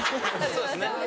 そうですね。